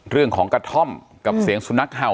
เรื่องของกระท่อมกับเสียงสุนัขเห่า